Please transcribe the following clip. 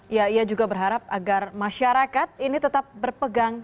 ya ia juga berharap agar masyarakat ini tetap berpegang